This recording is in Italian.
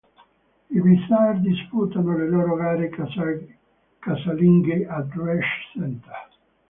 I Blizzard disputano le loro gare casalinghe al Resch Center.